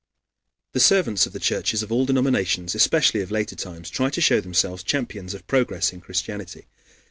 The servants of the churches of all denominations, especially of later times, try to show themselves champions of progress in Christianity.